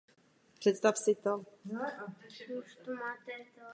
Film zachycuje homosexualitu v prostředí ortodoxních židů.